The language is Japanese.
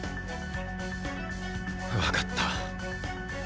わかった。